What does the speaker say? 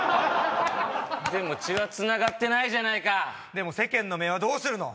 でも血はつながってないじゃないかでも世間の目はどうするの？